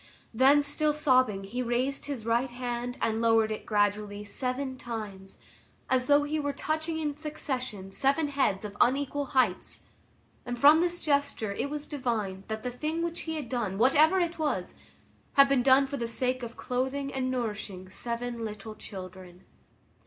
Then still sobbing, he raised his right hand and lowered it gradually seven times, as though he were touching in succession seven heads of unequal heights, and from this gesture it was divined that the thing which he had done, whatever it was, he had done for the sake of clothing and nourishing seven little children.